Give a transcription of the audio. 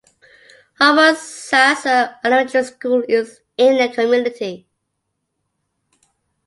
Homosassa Elementary School is in the community.